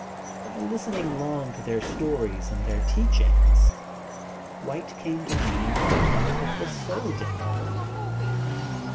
By lis tening long to their stories and their teach ingSy white came to mean the death of the soul to him.